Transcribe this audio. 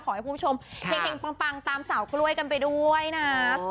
ขอให้คุณผู้ชมเห็งปังตามสาวกล้วยกันไปด้วยนะ